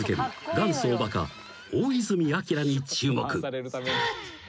元祖おバカ大泉滉に注目］